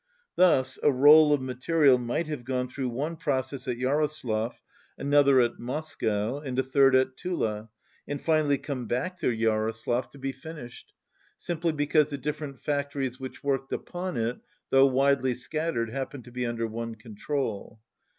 Thus a roll of material might have gon« through one process at Jaroslav, another at Moscow, and a third at Tula, and finally come back to Jaroslav 144 to be finished, simply because the different fac tories which worked upon it, though widely scat tered, happened to be under one control.